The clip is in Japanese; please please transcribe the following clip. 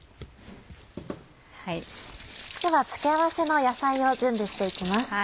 では付け合わせの野菜を準備して行きます。